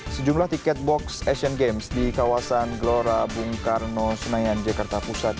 sejumlah tiket box asian games di kawasan gelora bung karno senayan jakarta pusat